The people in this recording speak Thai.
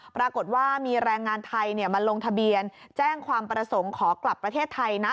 ปรากฏว่ามีแรงงานไทยมาลงทะเบียนแจ้งความประสงค์ขอกลับประเทศไทยนะ